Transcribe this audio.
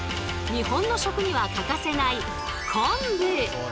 日本の食には欠かせない昆布！